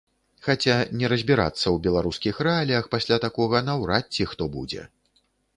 Хаця не разбірацца ў беларускіх рэаліях пасля такога наўрад ці хто будзе.